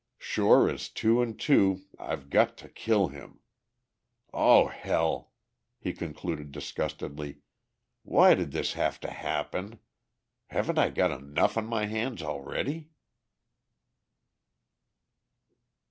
Sure as two and two I've got to kill him. Oh, hell," he concluded disgustedly. "Why did this have to happen? Haven't I got enough on my hands already?"